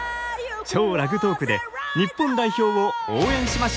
＃超ラグトークで日本代表を応援しましょう！